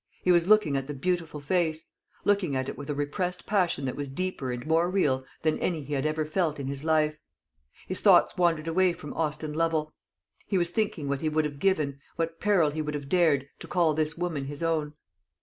He was looking at the beautiful face looking at it with a repressed passion that was deeper and more real than any he had ever felt in his life. His thoughts wandered away from Austin Lovel. He was thinking what he would have given, what peril he would have dared, to call this woman his own.